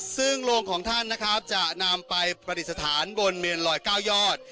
ซึ่งโรงของท่านนะครับจะนำไปปฏิสถานบนเมนลอย๙ยอด